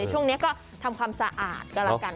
ช่วงนี้ก็ทำความสะอาดก็แล้วกัน